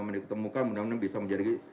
ditemukan benar benar bisa menjadi